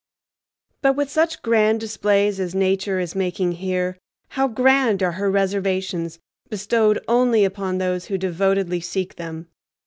But with such grand displays as Nature is making here, how grand are her reservations, bestowed only upon those who devotedly seek them!